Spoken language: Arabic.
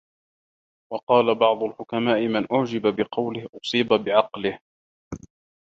وَقَالَ بَعْضُ الْحُكَمَاءِ مَنْ أُعْجِبَ بِقَوْلِهِ أُصِيبَ بِعَقْلِهِ